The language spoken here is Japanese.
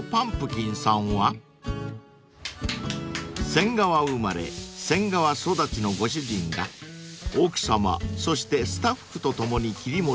［仙川生まれ仙川育ちのご主人が奥さまそしてスタッフと共に切り盛りする洋食屋さん］